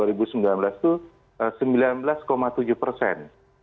itu sembilan belas tujuh persen